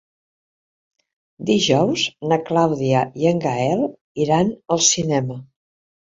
Dijous na Clàudia i en Gaël iran al cinema.